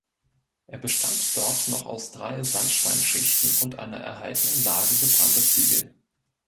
Er bestand dort noch aus drei Sandsteinschichten und einer erhaltenen Lage gebrannter Ziegel.